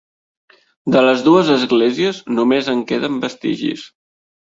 De les dues esglésies només en queden vestigis.